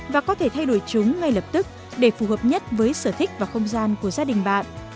và có thể thay đổi chúng ngay lập tức để phù hợp nhất với sở thích và không gian của gia đình bạn